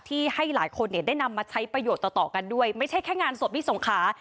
ที่ให้หลายคนได้นำมาใช้ประโยชน์ต่อกันด้วยไม่ใช่แค่งานสบที่ส่งค้า